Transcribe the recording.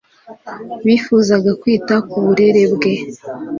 Bifuzaga kwita ku burere bwe,